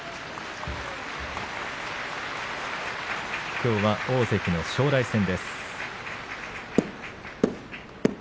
きょうは大関の正代戦です。